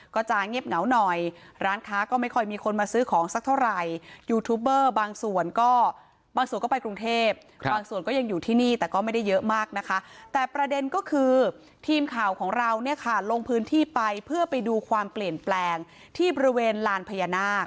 ก็จะเงียบเหงาหน่อย